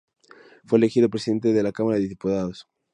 Fue elegido presidente de la Cámara de Diputados.